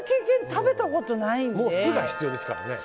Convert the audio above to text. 食べたことないので。